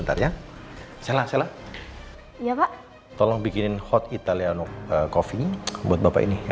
di beak bangunan ini heinz seperti hose inisko